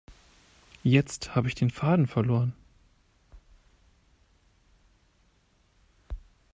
Jetzt habe ich den Faden verloren.